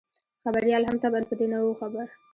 خبریال هم طبعاً په دې نه وو خبر.